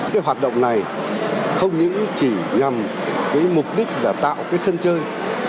cái hoạt động này không những chỉ nhằm cái mục đích là tạo cái sân chơi